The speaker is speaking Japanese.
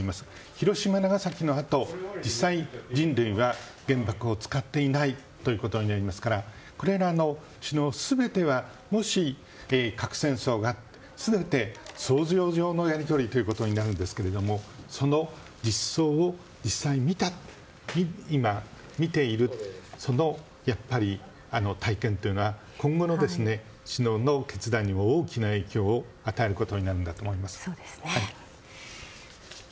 広島、長崎のあと実際に人類は原爆を使っていないということになりますからこれらの首脳全てはもし核戦争が全て想像上のやり取りということになるんですがその実相を実際に今、見ているその、体験というのは今後の決断にも大きな影響を与えることになるんだと思います。